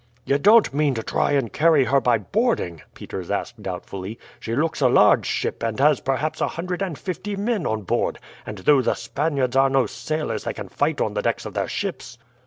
"You don't mean to try and carry her by boarding?" Peters asked doubtfully. "She looks a large ship, and has perhaps a hundred and fifty men on board; and though the Spaniards are no sailors they can fight on the decks of their ships."